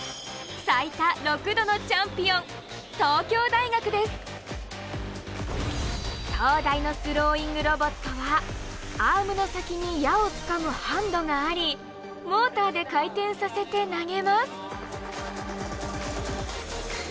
最多６度のチャンピオン東大のスローイングロボットはアームの先に矢をつかむハンドがありモーターで回転させて投げます。